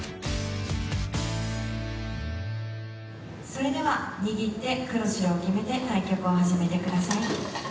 それでは握って黒白を決めて対局を始めて下さい。